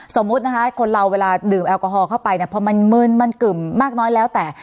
สมมุตินะคะคนเราเวลาดื่มแอลกอฮอลเข้าไปเนี่ยพอมันมึนมันกึ่มมากน้อยแล้วแต่